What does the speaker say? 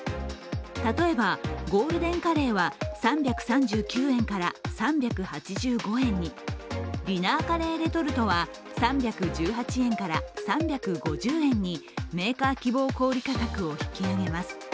例えば、ゴールデンカレーは３３９円から３８５円にディナーカレーレトルトは３１８円から３５０円にメーカー希望小売価格を引き上げます。